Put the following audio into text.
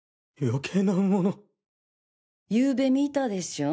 ゆうべ見たでしょ？